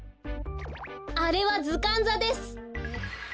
あれはずかんざです。